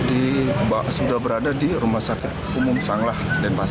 saat ini jelajahnya sedang berada di rumah sakit umum sanglah denpasar